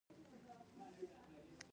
ایا زه باید هیر کړم؟